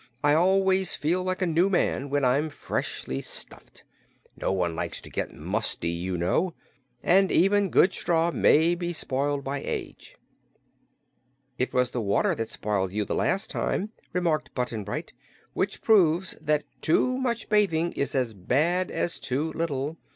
"I always feel like a new man when I'm freshly stuffed. No one likes to get musty, you know, and even good straw may be spoiled by age." "It was water that spoiled you, the last time," remarked Button Bright, "which proves that too much bathing is as bad as too little.